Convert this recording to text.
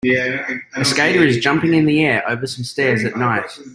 A skater is jumping in the air over some stairs at night.